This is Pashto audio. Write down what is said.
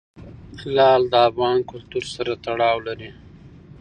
لعل د افغان کلتور سره تړاو لري.